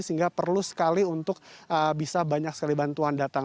sehingga perlu sekali untuk bisa banyak sekali bantuan datang